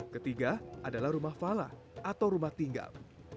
ketiga adalah rumah fala atau rumah tinggal